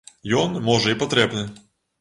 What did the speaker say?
Ён, можа, і патрэбны.